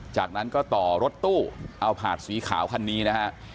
จากนั้นก็ต่อรถตู้เอาผาดสีขาวคันนี้นะฮะ